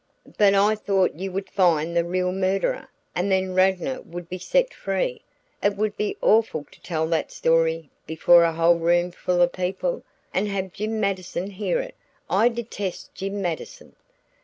"But I thought you would find the real murderer, and then Radnor would be set free. It would be awful to tell that story before a whole room full of people and have Jim Mattison hear it. I detest Jim Mattison!"